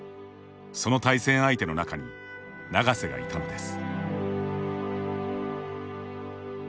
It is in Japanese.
その対戦相手の中に永瀬がいたのです。